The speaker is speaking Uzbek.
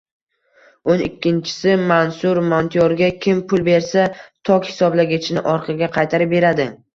O`n ikkinchisi, Mansur montyorga kim pul bersa, tok hisoblagichini orqaga qaytarib beradi